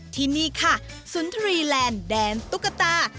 ที่นี่ค่ะสุนทรีแลนด์แดนตุ๊กตา